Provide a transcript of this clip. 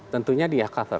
tentunya dia cover